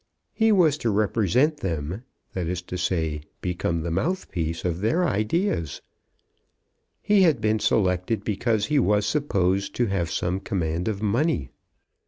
He was to represent them, that is to say, become the mouthpiece of their ideas. He had been selected because he was supposed to have some command of money.